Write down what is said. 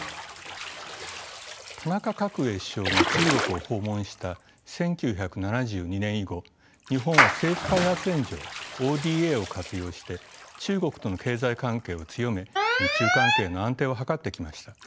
田中角栄首相が中国を訪問した１９７２年以後日本は政府開発援助ＯＤＡを活用して中国との経済関係を強め日中関係の安定を計ってきました。